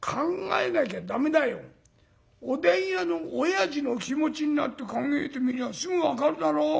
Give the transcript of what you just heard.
おでん屋のおやじの気持ちになって考えてみりゃすぐ分かるだろ。